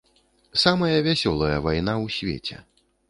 Самая вясёлая вайна ў свеце.